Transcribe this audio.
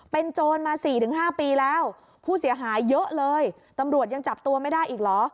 เป็นโจรมาสี่ถึงห้าปีแล้วผู้เสียหายเยอะเลยตำรวจยังจับตัวไม่ได้อีกเหรอ